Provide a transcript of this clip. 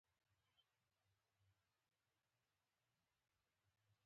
متل: ناکامي د بریا راز دی.